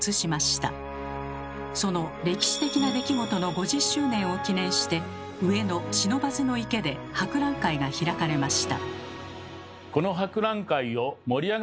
その歴史的な出来事の５０周年を記念して上野不忍池で博覧会が開かれました。